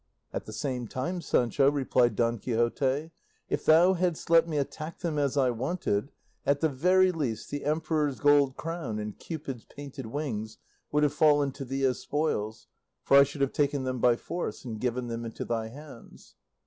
'" "At the same time, Sancho," replied Don Quixote, "if thou hadst let me attack them as I wanted, at the very least the emperor's gold crown and Cupid's painted wings would have fallen to thee as spoils, for I should have taken them by force and given them into thy hands."